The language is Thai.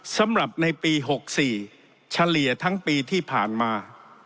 สำหรับในปี๖๔เฉลี่ยทั้งปีที่ผ่านมา